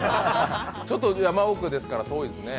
ちょっと山奥ですから遠いですね。